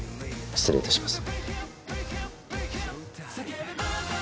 失礼いたします